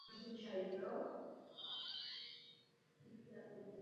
Svá studia dokončil na Harvardově univerzitě s titulem doktor filosofie.